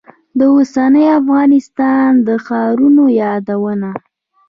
د اوسني افغانستان د ښارونو یادونه.